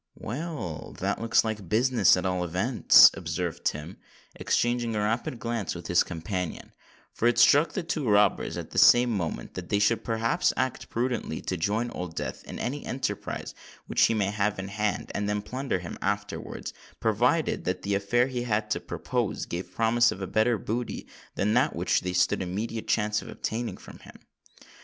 "Well—that looks like business, at all events," observed Tim, exchanging a rapid glance with his companion; for it struck the two robbers at the same moment, that they should perhaps act prudently to join Old Death in any enterprise which he might have in hand, and then plunder him afterwards—provided that the affair he had to propose, gave promise of a better booty than that which they stood the immediate chance of obtaining from him.